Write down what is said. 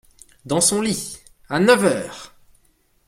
Dans son lit ! à neuf heures !